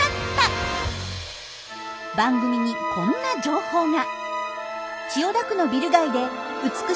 番組にこんな情報が。